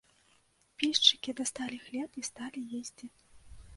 Пільшчыкі дасталі хлеб і сталі есці.